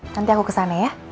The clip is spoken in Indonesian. nanti aku kesana ya